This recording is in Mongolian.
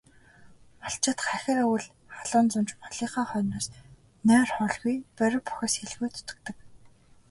Малчид хахир өвөл, халуун зун ч малынхаа хойноос нойр, хоолгүй борви бохисхийлгүй зүтгэдэг.